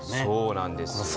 そうなんです。